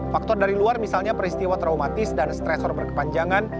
faktor dari luar misalnya peristiwa traumatis dan stresor berkepanjangan